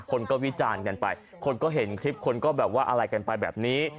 คนก็วิจารณ์กันไปคนก็เห็นคลิปคนก็แบบว่าอะไรกันไปแบบนี้